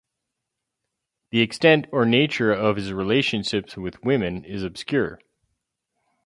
The extent or nature of his relationships with women is obscure.